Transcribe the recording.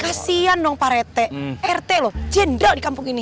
kasian dong pak rete rt loh jenderal di kampung ini